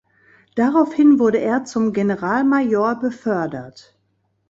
Daraufhin wurde er zum Generalmajor befördert.